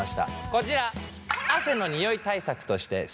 こちら。